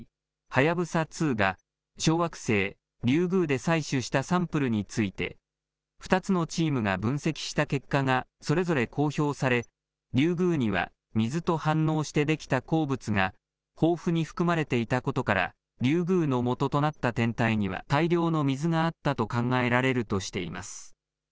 はやぶさ２が、小惑星リュウグウで採取したサンプルについて、２つのチームが分析した結果がそれぞれ公表され、リュウグウには水と反応して出来た鉱物が豊富に含まれていたことから、リュウグウの元となった天体には大量の水があったと考えられるとしています。